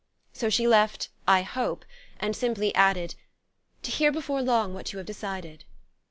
So she left "I hope," and simply added: "to hear before long what you have decided."